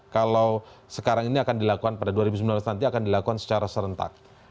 kalau sekarang ini akan dilakukan pada dua ribu sembilan belas nanti akan dilakukan secara serentak